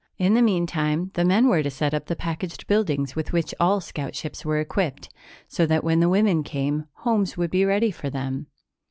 In the meantime, the men were to set up the packaged buildings with which all scout ships were equipped, so that when the women came, homes would be ready for them.